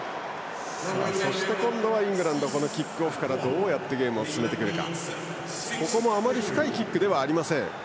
そしてイングランドのキックオフからどうやってゲームを進めてくるか。